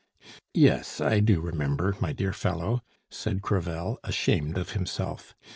"Yes, I do remember, my dear fellow," said Crevel, ashamed of himself.